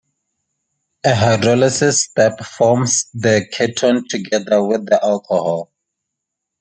A hydrolysis step forms the ketone together with the alcohol.